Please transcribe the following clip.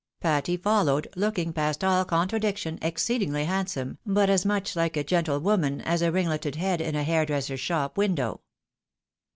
Patty followed, looking, past all contra diction, exceedingly handsome, but as much like a gentlewoman as a ringleted head in a hairdresser's shop window.